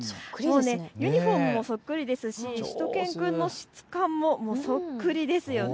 ユニフォームもそっくりですししゅと犬くんの質感もそっくりですよね。